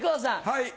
はい。